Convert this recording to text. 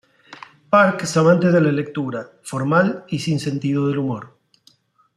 Park es amante de la lectura, formal y sin sentido del humor.